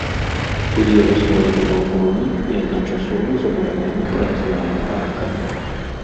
Былі разбураны балконы і адначасова замуравана праязная арка.